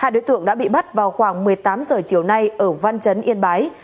hai đối tượng đã bị bắt vào khoảng một mươi tám h chiều nay ở văn chấn yên bái